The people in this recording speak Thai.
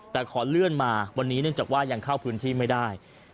แต่ขอเลื่อนมาวันนี้เนื่องจากว่ายังเข้าพื้นที่ไม่ได้